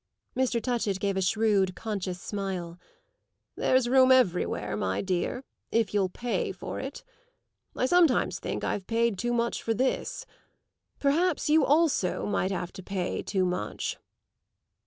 Mr. Touchett gave a shrewd, conscious smile. "There's room everywhere, my dear, if you'll pay for it. I sometimes think I've paid too much for this. Perhaps you also might have to pay too much."